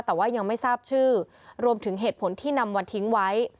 แต่ว่ายังไม่ทราบชื่อรวมถึงเหตุผลที่นำมาทิ้งไว้